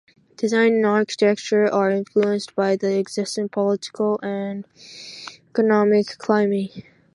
Design and architecture are influenced by the existing political and economic climate.